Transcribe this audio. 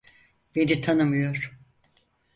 Beni tanımıyor.